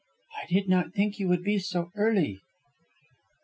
"I did not think you would be so early."